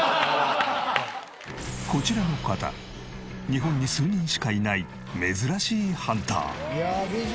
日本に数人しかいない珍しいハンター。